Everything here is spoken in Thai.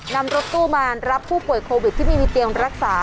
นำรถตู้มารับผู้ป่วยโควิดที่ไม่มีเตียงรักษา